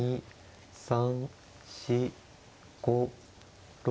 ３４５６。